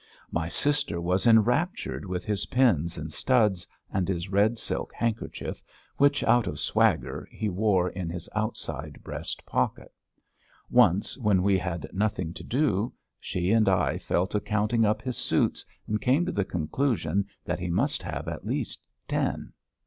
My sister was enraptured with his pins and studs and his red silk handkerchief, which, out of swagger, he wore in his outside breast pocket. Once, when we had nothing to do, she and I fell to counting up his suits and came to the conclusion that he must have at least ten.